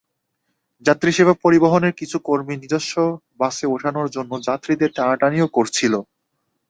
যাত্রীসেবা পরিবহনের কিছু কর্মী নিজস্ব বাসে ওঠানোর জন্য যাত্রীদের টানাটানিও করছিল।